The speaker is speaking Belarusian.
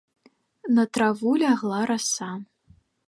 На траву лягла раса.